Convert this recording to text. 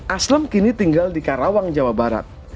aslam kini tinggal di karawang jawa barat